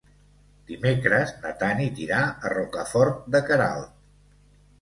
Dimecres na Tanit irà a Rocafort de Queralt.